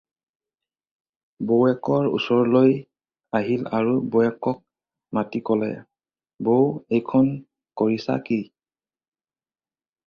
বৌৱেকৰ ওচৰলৈ আহিল আৰু বৌৱেকক মাতি ক'লে- "বৌ! এইখন কৰিছা কি?"